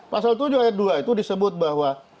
pasal tujuh ayat dua itu disebut bahwa